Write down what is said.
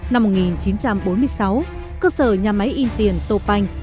năm một nghìn chín trăm bốn mươi sáu cơ sở nhà máy in tiền tô panh